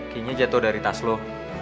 kayaknya jatuh dari tas lo